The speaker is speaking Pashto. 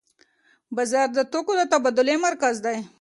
بازار د توکو د تبادلې مرکز دی.